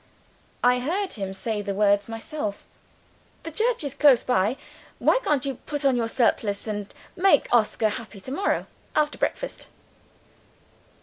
I heard him say the words myself: "The church is close by. Why can't you put on your surplice and make Oscar happy to morrow, after breakfast?"